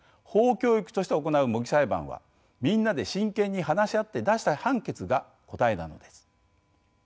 法教育として行う模擬裁判はみんなで真剣に話し合って出した判決が答えなのです。